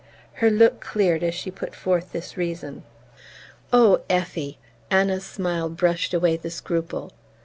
Her look cleared as she put forth this reason. "Oh, Effie! " Anna's smile brushed away the scruple.